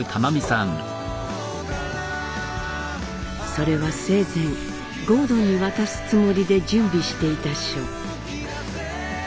それは生前郷敦に渡すつもりで準備していた書。